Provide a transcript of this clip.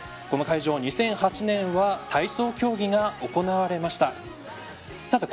この会場、２００８年は体操競技が行われました。